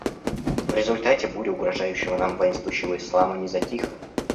В результате буря угрожающего нам воинствующего ислама не затихла.